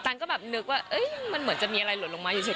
ก็แบบนึกว่ามันเหมือนจะมีอะไรหล่นลงมาเฉย